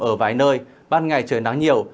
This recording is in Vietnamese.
ở vài nơi ban ngày trời nắng nhiều